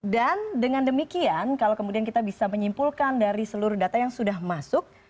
dan dengan demikian kalau kemudian kita bisa menyimpulkan dari seluruh data yang sudah masuk